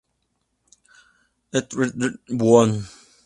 らいど・おん!, Buon!